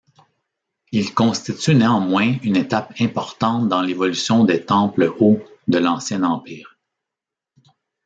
Il constitue néanmoins une étape importante dans l'évolution des temples hauts de l'Ancien Empire.